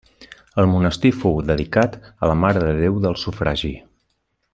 El monestir fou dedicat a la Mare de Déu del sufragi.